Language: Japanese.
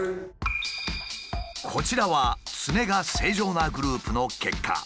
こちらはツメが正常なグループの結果。